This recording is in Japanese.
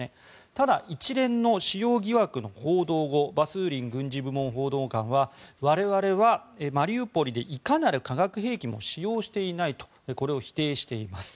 ただ、一連の使用疑惑の報道後バスーリン軍事部門報道官は我々はマリウポリでいかなる化学兵器も使用していないとこれを否定しています。